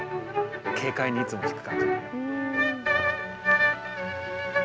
軽快にいつも弾く感じ。